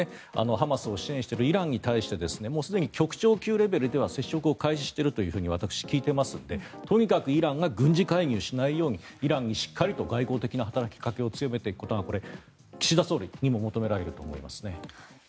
ハマスを支援しているイランに対して局長級レベルでは接触していると私、聞いていますのでとにかくイランが軍事介入しないようにイランにしっかりと外交的な働きかけを強めていくことが岸田総理にも求められると思いますね。